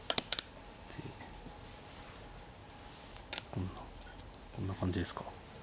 こんな感じですか。